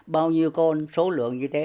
bao nhiêu con số lượng như thế